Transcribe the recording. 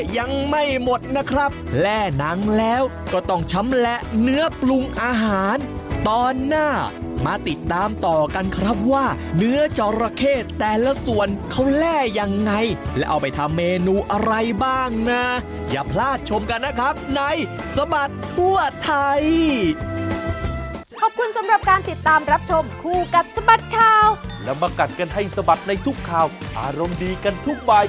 ยังไม่หมดนะครับและนั้นแล้วก็ต้องชำแหละเนื้อปรุงอาหารตอนหน้ามาติดตามต่อกันครับว่าเนื้อจรเขตแต่ละส่วนเขาและยังไงและเอาไปทำเมนูอะไรบ้างน่ะอย่าพลาดชมกันนะครับในสบัดทั่วไทย